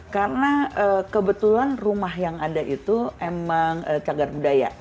karena kebetulan rumah yang ada itu emang cagar budaya